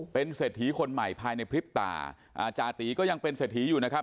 เป็นเศรษฐีคนใหม่ภายในพริบตาอ่าจาติก็ยังเป็นเศรษฐีอยู่นะครับ